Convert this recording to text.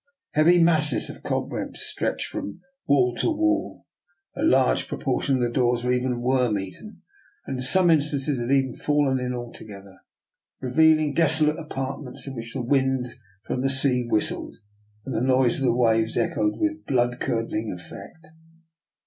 Heavy masses of cob webs stretched from wall to wall, a large pro portion of the doors were worm eaten, and in some instances had even fallen in alto gether, revealing desolate apartments in which the wind from the sea whistled, and the noise of the waves echoed with blood curdling effect.